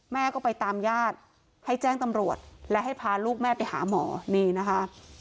แม่ก็ไปตามญาติให้แจ้งตำรวจและให้พาลูกแม่ไปหาหมอนี่นะคะ